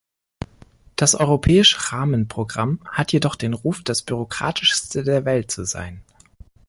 Das europäische Rahmenprogramm hat jedoch den Ruf, das bürokratischste der Welt zu sein.